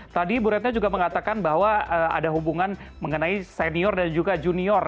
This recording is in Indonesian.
tadi bu retno juga mengatakan bahwa ada hubungan mengenai senior dan juga junior